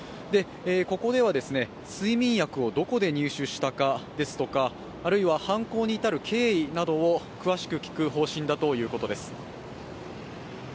ここでは睡眠薬をどこで入手したかですとかあるいは犯行に至る経緯などを詳しく聞く方針だということです。